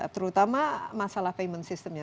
terutama masalah payment systemnya